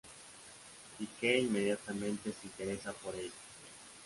Pike inmediatamente se interesa por ella.